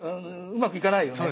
うまくいかないよね？